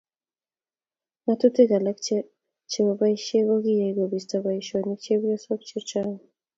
ng'atutik alak che bo boisie ko kiyai kobisto boisionik chepyosok chechang'